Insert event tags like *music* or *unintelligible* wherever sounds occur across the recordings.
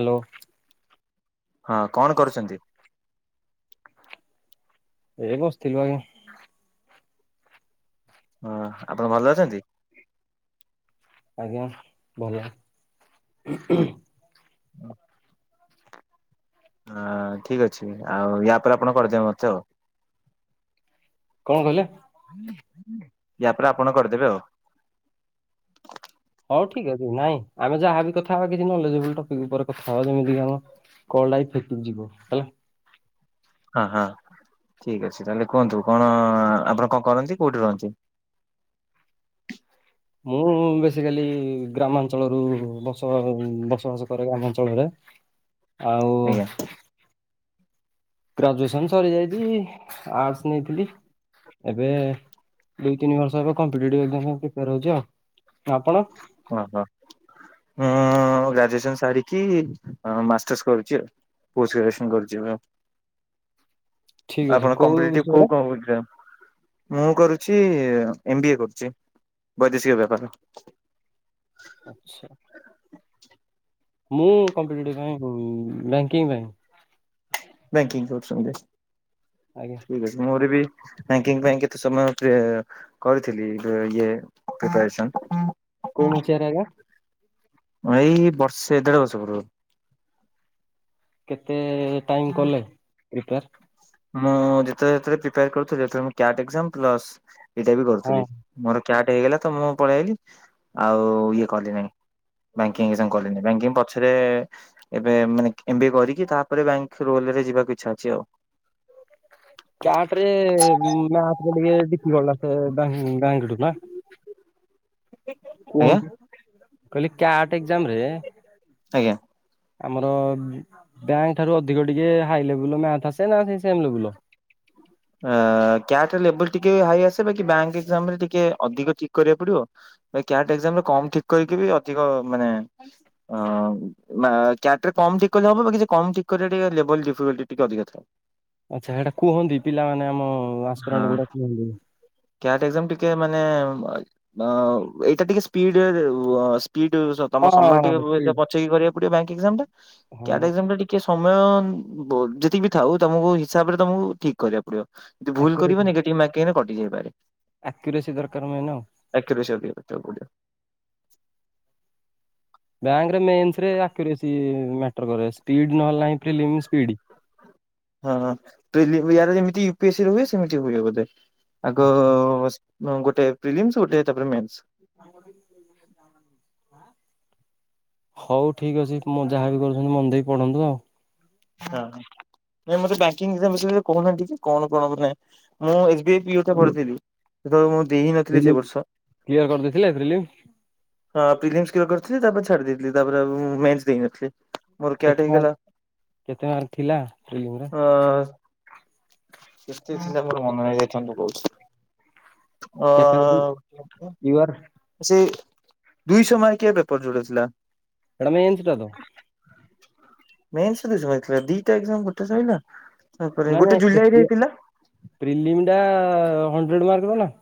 Hello. ହଁ କଣ କରୁଚନ୍ତି? ଏବସିଥିଲି ଭାଇ। ହଁ ଆପଣ ଭଲ ଅଛନ୍ତି? ଆଜ୍ଞା ଭଲ। *inaudible* ଅଁ ଠିକ୍ ଅଛି ଆଉ ୟାପରେ ଆପଣ କରିଦେବେ ମତେ ଆଉ। କଣ କଇଲେ? ୟାପରେ ଆପଣ କରିଦେବେ ଆଉ। ହଉ ଠିକ୍ ଅଛି ନାଇଁ ଆମେ ଯାହାବି କଥାହବା କିଛି ନଲେଜବୋଲି ଟପିକ୍ ଉପରେ କଥାହବା ଯେମିତି ଆମ କଲଟାବି ଇଫେକ୍ଟିଭ ଯିବ ହେଲା। ହଁ ହଁ ଠିକ୍ ଅଛି ତାହେଲେ କୁହନ୍ତୁ କଣ ଆପଣ କଣ କରନ୍ତି କୋଉଠି ରୁହନ୍ତି? ମୁଁ ବେସିକାଲି ଗ୍ରାମାଞ୍ଚଳରୁ ବସ ବସବାସ କରେ ଗ୍ରାମାଞ୍ଚଳରେ। *inaudible* ଆଉ ଆଜ୍ଞା ଗ୍ରାଜୁଏସନ୍ ସରିଯାଇଚି ଆର୍ଟସ୍ ନେଇଥିଲି। ଏବେ ଦୁଇ ତିନି ବର୍ଷ ହେବ କମ୍ପଡିଟି *unintelligible* ପିପାର ହଉଚି ଆଉ ଆପଣ? ହଁ ହଁ ମୁଁ ଗ୍ରାଜୁଏସନ୍ ସାରିକି ମାଷ୍ଟର୍ସ କରୁଚି ଆଉ। ପୋଷ୍ଟ ଗ୍ରାଜୁଏସନ୍ କରିଚିଏବେ ଠିକ ଅଛି ଆପଣ କୋଉ କମ୍ପିଟି କଉ ବିଷୟରେ କମ୍ପିଟିରେ? ମୁଁ କରୁଚି ଏମ୍ ବି ଏ କରୁଚି ବୈଦେଶିକ ବେପାର। ଆଚ୍ଛା। ମୁଁ କମ୍ପିଡିଟି କ୍ୟାଙ୍କି ପାଇଁ। ବ୍ୟାଙ୍କିଙ୍ଗ କରୁଚନ୍ତି। ଆଜ୍ଞା। ଠିକ୍ ଅଛି ମୋରବି ବ୍ୟାଙ୍କିଙ୍ଗ ପାଇଁ କେତେ ସମୟ ପେ କରିଥିଲି ଇଏ ପ୍ରିପାରସନ୍। କୋଉଁ ମସିଆରେ ଆଜ୍ଞା। ଁ ଏଇ ବର୍ଷେ ଦେଢ ବର୍ଷ ପୂର୍ବରୁ। କେତେ ଟାଇମ୍ କଲେ ପ୍ରିପେୟା ମୁଁ ଯେତବେଳେ ଯେତବେଳେ ପ୍ରିପାର କରୁଥିଲି ଯେତବେଳେ ମୁଁ କ୍ୟାଟ୍ ଏଗଯାମ୍ ପ୍ଲସ ଏଇଟା ବି ହଁ କରୁଥିଲି। ମୋର କ୍ୟାଟ୍ ହେଇଗଲା ତ ମୁଁ ପଳେଇଆଲି ଆଉ ଇଏ କଲି ନାହିଁ। ବ୍ୟାଙ୍କିଙ୍ଗ ସାଙ୍ଗ କଲେନି ବ୍ୟାଙ୍କିଙ୍ଗ ପଛରେ ଏବେ ମାନେ ଏ ମ୍ ବି ଏ କରିକି ତାପରେ ବ୍ୟଙ୍କ ଥ୍ରରୋଲରେ ଯିବାକୁ ଇଚ୍ଛା ଅଛି ଆଉ। କ୍ୟାଟ୍ ରେ ମ୍ୟାପରେ ମିଳେ ଡିପି *inaudible* ବ୍ୟଙ୍କଠୁ ନା। ଆଜ୍ଞା କୁହନ୍ତୁ କହିଲି କ୍ୟାଟ୍ ଏକ୍ଜାମ ରେ ଆଜ୍ଞା। ଆମର ବ୍ୟାଙ୍କ ଠାରୁ ଅଧିକ ଟିକେ ହାଇ ଲେବୁଲର ମ୍ୟାଥେ ଆସେ ନା ସେ ସେମ୍ ଲେବୁଲର? କ୍ୟାଟ୍ ଲେବୁଲ ଟିକେ ହାଇ ଆସେ ବାକି ବ୍ୟାଙ୍କ ଏକ୍ଜମ ରେ ଟିକେ ଅଧିକ ଠିକ୍ କରିବାକୁ ପଡିବ। ଭାଇ କ୍ୟାଟ୍ ଏକ୍ଜମରେ କମ ଠିକ୍ କରିକି ବି ଅଧିକ ମାନେ ଅ କ୍ୟାଟରେ କମ ଠିକ୍ କଲେ ହବ ବାକି କମ ଠିକ୍ କରିବାଟା ଲେବୁଲ୍ ଡିଫିକ୍ଲ ରୁ ଟିକେ ଅଧିକାଥାଏ। ଆଚ୍ଛା ହେଟା କୁହନ୍ତି ପିଲାମାନେ ଆମ ହଁ ଆସ୍ଫେଢେ ଗୁଡ଼ା କୁହନ୍ତି। କ୍ୟାଟ୍ ଏକ୍ଜାମ୍ ଟିକେ ମାନେ ନଓ ଏଇଟା ଟିକେ ୱ ସ୍ପିଡ ସ୍ପିଡ ତମ ସମୟ ଟିକେ ହଁ ସ୍ପିଡ୍। ପଛେଇକି କରିବାକୁ ପଡିବ ବ୍ୟାଙ୍କ ଏକ୍ଜମ୍ ଟା ହଁ କ୍ୟାଟେ ଏକ୍କମ୍ ଟି କିଏ ସମୟ ବୋ ଯେତିକିବି ଥାଉ ତମକୁ ହିସାବରେ ତମକୁ ଠିକ୍ କରିବାକୁ ପଡିବ। ଯଦି ଭୁଲ୍ କରିବ ନେଗେଡିପ୍ ମର୍କ୍ ଙ୍ଗିରେ କଟି ଯାଇ ପାରେ। ଆକିୟୁରେସି ଦରକାର ମେନ୍ ଆଉ। ଆକିୟୁରେଶି ଅଧିକ କରିତେ ପଡିବ। ବ୍ୟାଙ୍କରେ ମେନ୍ସରେ ଆକୁୟୁରେଶି ମ୍ୟାଟ କରେ ସ୍ପିଡି ନହେଲେ ନାହିଁ ସ୍ପ୍ଲି ଙ୍ଗି ସ୍ପିଡ଼ି। ହଁ ପିଲ ୟାର ଯେମିତି ୟୁପି ଏ ସ୍ ରେ ହୁଏ ସେମିତି ହୁଏ ବୋଧେ ଆଗ ନୋ ଗୋଟେ ଫ୍ରିଲିସ୍ମ୍ ଗୋଟେ ତାପରେ ମ୍ସେ। ହୋଉ ଠିକ୍ ଅଛି ମୁଁ ଯାହାବି କରୁଚନ୍ତି ମନ ଦେଇକି ପଢ଼ନ୍ତୁ ଆଉ। ହଁ। ନାଇଁ ମତେ ବ୍ୟାଙ୍କିଙ୍ଗଏକ୍କମ ବିଶରେ କହୁନାନ୍ତି ଟିକେ କଣ କଣ ମାନେ ମୁଁ ଏସ୍ ବି ଆଇ ପି କରିଥିଲି। ସେତବେଳେ ମୁଁ ଦେଇ ନଥିଲି ସେ ପ୍ରିଲିମ୍ ବର୍ଷ। କ୍ଲିୟର କରିଦେଇଥିଲେ ପ୍ରିଲିମ୍ ହଁ ପ୍ରିଏନ୍ସ କେବେ କରିଥିଲି ତାପରେ ଛାଡି ଦେଇଥିଲି ତାପରେ ମେନ୍ସ ଦେଇନଥିଲି। ମୋର କ୍ୟାଟ୍ କେତେ ହେଇଗଲା ମର୍କ କେତେ ମର୍କେ ଥିଲା ଫିଲ୍ମଙ୍ଗୀ ର? ଅ କେତେ ଥିଲା ମୋର ମନେ ନାହିଁ ରଇଥାନ୍ତୁ କହୁଚି। ଅ କ୍ୟାଟାଗୋରୀ ୟୁଆର୍ ସେ ଦୁଇଶ ମାର୍କ କିଆ ପେପର ଯୋଟା ଥିଲା। ହେଟା ମେନ୍ସ ଟା ତ। ମେନ୍ସ ଦେଇଚ ଦିଇଟା ଏକଜାମ ଗୋଟେ ସଇଲା। ତାପରେ ନାଇ ଗୋଟେ ନାଇଁ ଜୁଲାଇରେ ହେଇଥିଲା ପ୍ରିଲ୍ମିଟା ହଣ୍ଡେଡ ମାର୍କ ର ନା।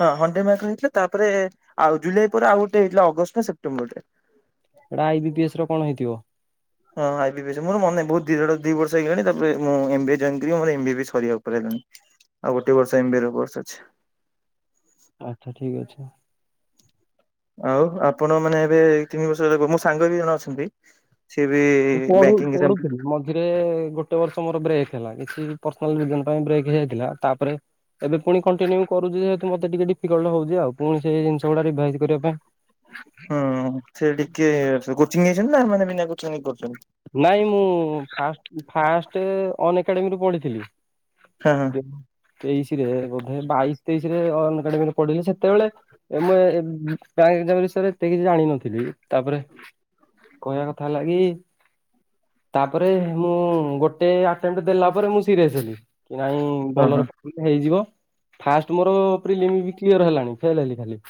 ହଁ ହଣ୍ଡେଡ ମାର୍କ ହେଇଥିଲା ତାପରେ ଆଉ ଜୁଲାଇ ପରେ ଆଉ ଗୋଟେ ହେଇଥିଲା ଅଗଷ୍ଟରେ ନା ସେପ୍ଟେମ୍ବର ରେ।। ହେଟା ଆଇ ବି ପିଏସ୍ ର କଣ ହେଇଥିବ। ହଁ ଆଇ ବିପି ଏ ସର ମୋର ମାନେ ନାହିଁ ବହୁତ ଦି ଦିଇ ବର୍ଷ ହେଇଗଲାଣି ତାପରେ ମୁଁ ଏମ ବି ଏ ଜୋଏନ୍ କରିକି ସରିବା ଉପରେ ହେଲାଣି। ଆଉ ଗୋଟେ ବର୍ଷର ଏମ ଵିଏର କୋର୍ସ ଅଛି। ଆଚ୍ଛା ଠିକ୍ ଅଛି। ଆଉ ଆପଣ ମାନେ ଏବେ ତିନି ବର୍ଷ ହେ ମୋ ସାଙ୍ଗ ବି ଜଣେ ଅଛନ୍ତି। ସିଏ ବି ବ୍ୟାଙ୍କିଙ୍ଗ ରେ ଗୋଟେ ବର୍ଷ ମୋର ବ୍ରେକ୍ ହେଲା କିଛି ପର୍ସନାଲ ରିଯୁନ୍ ପାଇଁ ବ୍ରେକ୍ ହେଇଯାଇଥିଲା ତାପରେ ଏବେ ପୁଣି କଣ୍ଟିନ୍ୟୁ କରୁଚି ଯେହତୁ ମତେ ଟିକେ ଡିଫିକଲ୍ଟ ହଉଚି ଆଉ ପୁଣି ସେଇ ଜିନଷ ଗୁଡା ରିଭାଜ କରିବା ପାଇଁ ହୁଁ ସେ ଟିକେ କୋଚିଂ ନେଇଚନ୍ତି ନା ଏମିତି ନାଗୁଚନ୍ତି କରୁକନ୍ତି? ନାଇଁ ମୁଁ ଫାଷ୍ଟେ ଅନ ଏକାଡେମୀରେ ପଢିଥିଲି। ହଁ ହଁ। ତେଇଶିରେ ବୋଧେ ବାଇଶି ତେଇଶି ରେ ଅ ଏକାଡେମୀରେ ପଢିଲି ସେତେବେଳେ ଏଇନେ ଉଁ ପ୍ରାୟେ ଏଜ୍ଜାମିନେସନ୍ ରେ ଏତେ କିଛି ଜାଣିନଥିଲି ତାପରେ କହିବା କଥା ହେଲା କି ତାପରେ ମୁଁ ଗୋଟେ ଆଟେଣ୍ଡ୍ ଦେଲା ପରେ ମୁଁ ସିରିୟସ ହେଲି କି ନାଇଁ ଓହୋ ଭଲରେ ପ ଲି ହେଇଯିବ ଫାଷ୍ଟ ମୋର ପ୍ରିଲ୍ଲିମ୍ ବି କ୍ଲିୟର ହେଲାଣି ଫେଲ୍ ହେଲି ଖାଲି।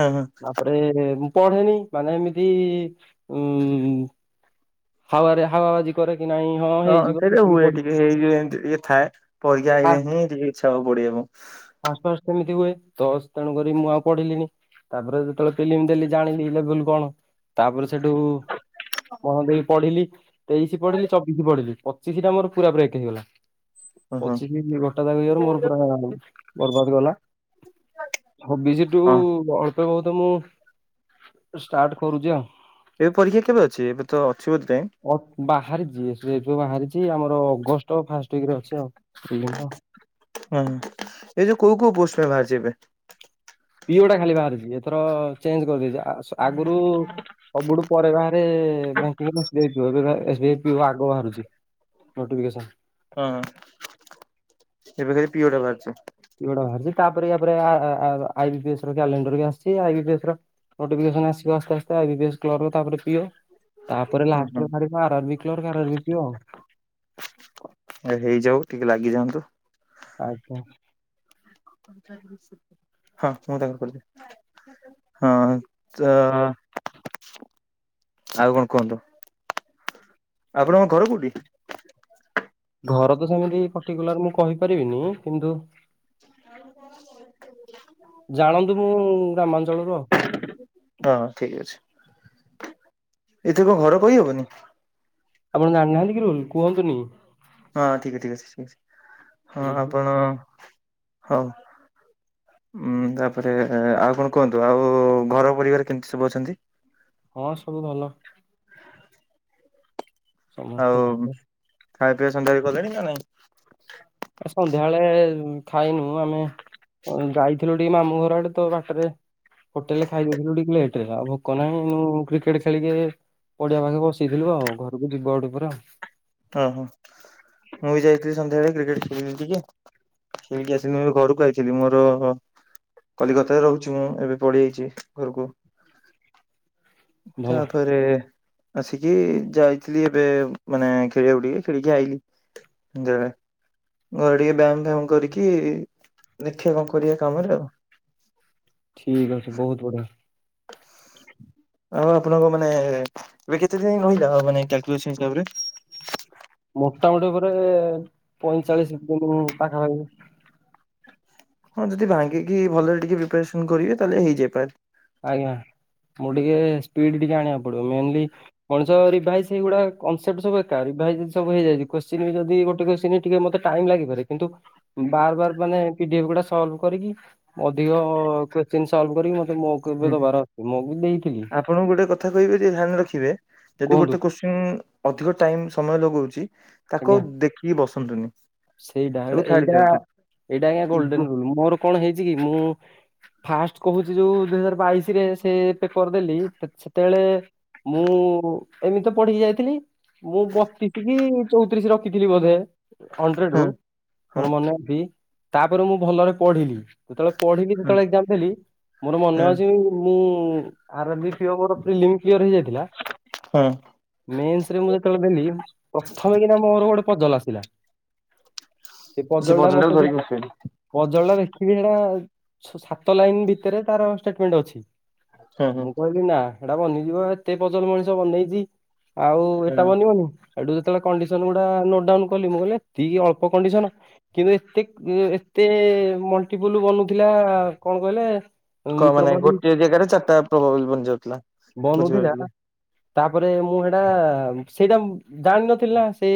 ହଁ ହଁ। ତାପରେ ମୁଁ ପଢେ ନେଇଁ ମାନେ ଏମିତି ଉଁ ହାୱାରେ ହାୱା ବାଜି କରରେ କି ନାଇଁ ହଁ ହେଇଯିବ ସେଇଟା ଯେତିକି ହୁଏ ପଢି ଟିକେ ହେଇଯିବ ଏମିତି ଟିକେ ଥାଏ ପରୀକ୍ଷା ଫା ହେଲେ ହିଁ ଟିକେ ଇଚ୍ଛା ହବ ପଢିବା ପାଁଇ। ଫାଷ୍ଟ ଫାଷ୍ଟ ସେମିତି ହୁଏ ତ ସ ତେଣୁକରୀ ମୁଁ ଆଉ ପଢିଲିିନି। ତାପରେ ଯେତେବେଳେ ଫିଲ୍ମ ଦେଲି ଜାଣିଲି ଲେବୁଲ କଣ ତାପରେ ସେଠୁ ମନ ଦେଇ ପଢିଲି ତେଇଶି ପଢିଲି ଚବିଶି ପଢିଲି ପଚିଶି ଟା ମୋର ପୁରା ବ୍ରେକ୍ ହେଇଗଲା। ଓହୋ ପଚିଶି ଗୋଟା ଯାକ ଇଅର ମୋର ପୁରା ବର୍ବାଦ ଗଲା। ଛବିଶି ଠୂ ହଁ। ଅଳ୍ପ ବହୁତେ ମୁଁ ଷ୍ଟାର୍ଟ କରୁଛି ଆଉ। ଏ ପରୀକ୍ଷା କେବେ ଅଛି ଏବେ ତ ଅଛି, ବୋଧେ ଟାଇମ୍? ଅ ବାହାରିଛି ସେ ଏବେ ବାହାରିଛି ଆମର ଅଗଷ୍ଟ ଫାଷ୍ଟ ୱିକ୍ ରେ ଅଛି ଆଉ ଫିଲିମ୍ ଟା। ହୁଁ ଏଇ ଯୋଉ କୋଉ କୋଉ ପୋଷ୍ଟ ପାଁଇ ବାହାରିଛି ଏବେ? ପିଓ ଟା ଖାଲି ବାହାରିଛି ଏଥର ଚେଞ୍ଜ୍ କରିଦେଇଛି ଆ ସ ଆଗୁରୁ ସବୁଠୁ ପରେ ବାହାରେ *unintelligible* ଆଗ ବାହାରୁଛି। ନୋଟିବିକେସନ୍। ହୁଁ ଏବେ ଖାଲି ପିଓଟା ବାହାରିଛି। ପିଓ ଟା ବାହାରିଛି, ତାପରେ ୟା ପରେ ଆ ଆ ଆଇ ବି ପିସ୍ ର କ୍ୟାଲେଣ୍ଡର ବି ଆସିଛି ଆଇ ବି ପିସ୍ ର ନୋଟିଫିକେସନ୍ ଆସିବ ଆସ୍ତେ ଆସ୍ତେ ଆଇ ବି ପିସ୍ କ୍ଲର ତାପରେ ପିଏ। ତାପରେ ହୁଁ ହୁଁ ଲାଷ୍ଟରେ ଭାରିବ ଆର ବି କ୍ଲରକ୍ ଆରର ବିପି ଆଉ। ଏ ହେଇଯାଉ ଟିକେ ଲାଗିଯାଆନ୍ତୁ। ଆଜ୍ଞା। *unintelligible* ହଁ ମୁଁ *unintelligible* ହଁ ଚ ଆଉ କଣ କୁହନ୍ତୁ ଆପଣଙ୍କ ଘର କୋଉଠି? ଘର ତ ସେମିତି ପର୍ଟିକୁଲାର ମୁଁ କହିପାରିବିନି, କିନ୍ତୁ ଜାଣନ୍ତୁ ମୁଁ ଗ୍ରାମାଞ୍ଚଳରୁ ଆଉ। ହଁ ଠିକ୍ ଅଛି, ଏଥିରେ କଣ ଘର କହିହବନି? ଆପଣ ଜାଣି ନାହାଁନ୍ତି କି ରୁଲ୍ କୁହନ୍ତୁନି? ହଁ ଠିକ୍ ଅ ଠିକ୍ ଅଛି ଠିକ୍ ଅଛି ହଁ ଆପଣ ହଉ। ଉଁ ତାପରେ ଆଉ କଣ କୁହନ୍ତୁ ଆଉ ଘର ପରିବାର କେମିତି ସବୁ ଅଛନ୍ତି? ହଁ ସବୁ ଭଲ। ଆଉ ସମସ୍ତେ ଭଲ। ଖାଇବା ପିଇବା ସନ୍ଧ୍ୟାରେ କଲେଣି ନା ନାଇଁ? ଆ ସନ୍ଧ୍ୟାବେଳେ ଖାଇନୁ ଆମେ ଯାଇଥିଲୁ ଟିକେ ମାମୁଁ ଘର ଆଡ଼େ ତ ବାଟରେ ହୋଟେଲ୍ ରେ ଖାଇଦେଇଥିଲୁ ଟିକେ ଲେଟ୍ ରେ ଆଉ ଭୋକ ନାହିଁ କ୍ରିକେଟ୍ ଖେଳିକି ଏ। ପଡ଼ିଆ ପାଖେ ବସି ଥିଲୁ ଆଉ ଘରକୁ ଯିବୁ ଆଉ ଟିକେ ପରେ ଆଉ। ଓହୋ ମୁଁ ବି ଯାଇଥିଲି ସନ୍ଧ୍ୟାବେଳେ କ୍ରିକେଟ୍ ଖେଳିଲି ଟିକେ। ଖେଳିକି ଆସିଲି ମୁଁ ଘରକୁ ଆଇଥିଲି ମୋର କଲିକତାରେ ରହୁଛି ମୁଁ ଏବେ ପଳି ଆଇଛି ଘରକୁ। ଭଲ ତାପରେ। ଆସିକି ଯାଇଥିଲି ଏବେ ମାନେ ଖେଳିବାକୁ ଟିକେ ଖେଳିକି ଆଇଲି ସନ୍ଦ୍ୟା ବେଳେ। ଘରେ ଟିକେ ବ୍ୟାୟାମ ଫ୍ୟାୟାମ କରିକି ଦେଖିବା କଣ କରିବା କାମରେ ଆଉ। ଠିକ୍ ଅଛି ବହୁତ ବଢ଼ି। *unintelligible* ଆଉ ଆପଣଙ୍କ ମାନେ ଏବେ କେତେ ଦିନ ରହିଲା ମାନେ କ୍ୟାଲ୍କୁଲେସନ ହିସାବରେ। ମୋଟାମୋଟି ଉପରେ ପଇଁଚାଳିଶ ଦିନ ପାଖାପାଖି ହଁ ଯଦି ଭାଙ୍ଗିକି ଭଲରେ ଟିକେ ପ୍ରିପାରେସନ୍ କରିବେ ତାହେଲେ ହେଇଯାଇପାର। ଆଜ୍ଞା ମୁଁ ଟିକେ ସ୍ପିଡ ଟିକେ ଆଣିବାକୁ ପଡ଼ିବ ମେନଲି ମଣିଷ ରିଭାଇଜ ସେଗୁଡ଼ାକ କନସେପ୍ଟ ସବୁ ଏକା ରିଭାଇଜ ସବୁ ହେଇଯାଇଛି କୋସଚୀଂ ବି ଯଦି ଗୋଟେ କୋସଚୀଂ କି ଟିକେ ମତେ ଟାଇମ୍ ଲାଗିପାରେ କିନ୍ତୁ ବାର ବାର ମାନେ ପିଡିଏଫ ଗୁଡ଼ା ସଲଭ କରିକି। ଅଧିକ କୋସଚୀଂ ସଲଭ କରିକି ମତେ ମକ୍ ବି ହୁଁ। ଦବାର ଅଛି ମୁଁ ବି ଦେଇଥିଲି। ଆପଣଙ୍କୁ ଗୋଟେ କହିବି ଯେ ଧ୍ୟାନ ରଖିବେ ଯଦି କୁହନ୍ତୁ ଗୋଟେ କଶ୍ଚିନ୍ ଉଁ ଅଧିକ ଟାଇମ ସମୟ ଲଗୋଉଛି ତାକୁ ଆଜ୍ଞା ଆଉ ଦେଖିକି ବସନ୍ତୁନି। ସେଇଟା ତାକୁ ଏଟା ଛାଡି ଏଇଟା ଦିଅନ୍ତୁ ଏଇଟା ଆଜ୍ଞା ଇଗୋ ଗୋଲଡେନ ରୁଲ ମୋର କଣ ହେଇଛି କି ମୁଁ ଫାଷ୍ଟ କହୁଛି ଯୋଉ ଦୁଇ ହଜାର ବାଇସି ରେ ସେ ପେପର ଦେଲି ସେତେବେଳେ ମୁଁ ଏମିତି ତ ପଢ଼ିକି ଯାଇଥିଲି ମୁଁ ବତିଶି କି ଚଉତିରିଶ ରଖିଥିଲି ବୋଧେ। ହଣ୍ଡ୍ରେଟ ହଁ ରୁ ହଁ ମୋର ମନେ ଅଛି ତାପରେ ମୁଁ ଭଲରେ ପଢ଼ିଲି। ଯେତେବେଳେ ପଢ଼ିକି ହଁ ଯେତେବେଳେ ଏଗ୍ଗଜାମ ଦେଲି ମୋର ମନେ ଅଛି ମୁଁ ଆର୍ ଆର୍ ବି ପି ଓ ମୋର ପ୍ରିଲିମ୍ କ୍ଲିୟର ହେଇଯାଇଥିଲା। ହଁ ମେନ୍ସରେ ମୁଁ ଯେତେବେଳେ ଦେଲି ପ୍ରଥମେ କିନା ମୋର ଗୋଟେ ପାଜଲ ଆସିଲା। ସେ ପଜଲ୍ ଟା ମୋ ପଜଲଟାକୁ ପାଖରେ ଧରିକି ବସିବେ ପଜଲ୍ ଟା ଦେଖିବି ସେଟା ସାତ ଲାଇନ ଭିତରେ ତାର ଷ୍ଟେଟମେଣ୍ଟ ଅଛି। ହୁଁ ହୁଁ ମୁଁ କହିଲି ନା ସେଟା ବନିଯିବ ଏତେ ପଜଲ ମଣିଷ ବନେଇଛି। ଆଉ ହୁଁ ଏଟା ବନିବନି ଆଉ ଯେତେବେଳେ କଣ୍ଡିସନ ଗୁଡ଼ା ନୋଟ୍ ଡାଉନ କଲି ମୁଁ କହିଲି ଠିକ ଅଳ୍ପ କଣ୍ଡିସନ କିନ୍ତୁ ଏତେ ଏତେ ମଲଟିପୁଲ ବନୁଥିଲା କଣ କହିଲେ ଉଁ କହନାଇ ପ୍ରବାବି ଗୋଟଏ ଜାଗାରେ ଚାରିଟା ପ୍ରବାବୁଲ ବନିଯାଉଥିଲା ବନଉଥିଲା ବୁଝିପାରୁଥିବେ। ତାପରେ ମୁଁ ହେଟା ସେଇଟା ଜାଣିନଥିଲି ନା ସେ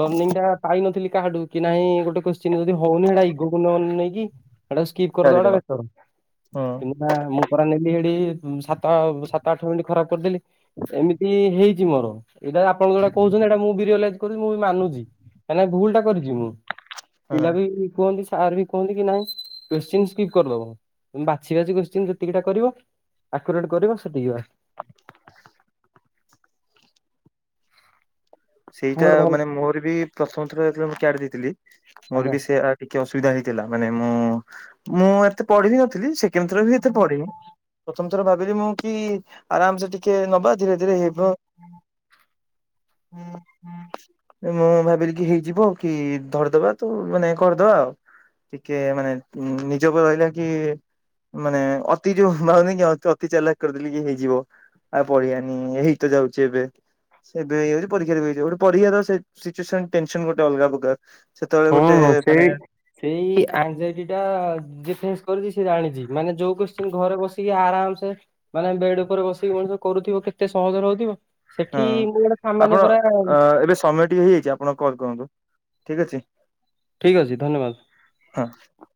ଲରନିଙ୍ଗ ଟା ପାଇନଥିଲି କାହାଠୁ କି ନାହିଁ ଗୋଟେ କୋଶ୍ଚନୀ ଯଦି ହଉନି ଏଟା ଇଗୋକୁ ନ ନେଇକି ହେଟାକୁ ସ୍କିପ କରି ଦେବାଟା ଛାଡିଦବା ହୁଁ ବେଟର। ନା ମୁଁ ପରା ନେଲି ଏଠି ସାତ ସାତ ଆଠ ମିନିଟ ଖରାପ କରିଦେଲି। ଏମିତି ହେଇଛି ମୋର ଏଇଟା ଆପଣ ଯୋଉଟା କହୁଛନ୍ତି ଏଇଟା ମୁଁ ବି ରିଅଲାଇଜ କରୁଛି ମୁଁ ବି ମାନୁଛି କାଇଁ ନା ଭୁଲଟା କରିଛି ମୁଁ ହଁ ପିଲା ବି କୁହନ୍ତି ସାର୍ ବି କୁହନ୍ତି କି ନାଇଁ କଶ୍ଚିନ୍ ସ୍କିପ କରିଦବ। ବାଛି ବାଛି କଶ୍ଚିନ ଯେତିକିଟା କରିବ ଆକୁରେଟ୍ କରିବ ସେତିକି ବାସ। *unintelligible* ନାଇଁ ସେଇଟା ଗୋଟେ ଭଲ ମାନେ ମୋର ବି ପ୍ରଥମ ଥର ଯେତେବେଳେ ମୁଁ ଛାଡ଼ି ଦେଇଥିଲି ମୋର ଆଜ୍ଞା। ବି ସେ ଟିକେ ଅସୁବିଧା ହେଇଥିଲା ମାନେ ମୁଁ ମୁଁ ଏତେ ପଢ଼ିବି ନଥିଲି ସେକେଣ୍ଡ ଥର ବି ଏତେ ପଢ଼ିନି। ପ୍ରଥମ ଥର ଭାବିଲି ମୁଁ କି ଆରାମ ସେ ଟିକେ ନବା ଧୀରେ ଧୀରେ ହେବ। *unintelligible* ମୁଁ ଭାବିଲି କି ହେଇଯିବ କି ଧରିଦବା ତ ମାନେ କରିଦବା ଆଉ। ଟିକେ ମାନେ ନିଜକୁ ଆଇଲା କି ମାନେ ଅତି ଯୋଉ ଭାବୁନି କି ଅତି ଚାଲାକି କରିଦେଲି କି ହେଇଯିବ। ଆଉ ପଢ଼ିଆନି ହେଇତ ଯାଉଛି ଏବେ ସେ ଏବେ। ପରୀକ୍ଷା ଦେବାକୁ ଯିବ ପରୀକ୍ଷାର ସେ ସିଚୋସନ୍ ଟେନସନ୍ ଗୋଟେ ଅଲଗା ପ୍ରକାର ସେତେବେଳେ ହଁ ଗୋଟେ ସେଇ ମାନେ ସେଇ ଆନଯାଇଟିଟା ଯିଏ ସିଚୋସନ୍ କରିଛି ସେ ଜାଣିଛି ମାନେ ଯୋଉ କୋଶ୍ଚିନ ଘରେ ବସିକି ଆରାମ ସେ ମାନେ ବେଡ ଉପରେ ବସିକି ମଣିଷ କରୁଥିବ କେତେ ସହଜରେ ହଉଥିବ। ସେଠି ହଁ। ମୁଁ ଗୋଟେ ଆପଣ ସାମାନ୍ୟ ପରା ଅ ଏବେ ସମିଟ ଟିକେ ହେଇଯାଇଛି ଆପଣ କଲ୍ କରନ୍ତୁ ଠିକ୍ ଅଛି। ଠିକ୍ ଅଛି ଧନ୍ୟବାଦ। ହଁ।